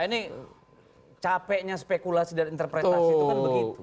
ini capeknya spekulasi dan interpretasi itu kan begitu